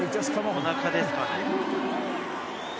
おなかですか？